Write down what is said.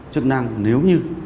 chức năng nếu như